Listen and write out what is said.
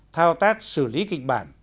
thao tác xử lý kịch bản